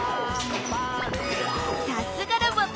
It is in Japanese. さすがロボット！